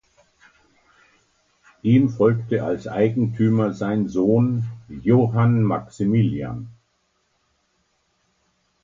Ihm folgte als Eigentümer sein Sohn "Johann Maximilian".